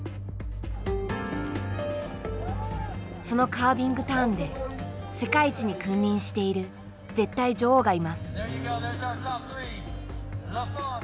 そのカービングターンで世界一に君臨している絶対女王がいます。